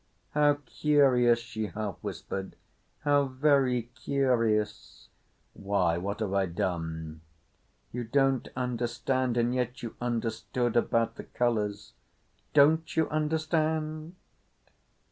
"How curious," she half whispered. "How very curious." "Why, what have I done?" "You don't understand … and yet you understood about the Colours. Don't you understand?"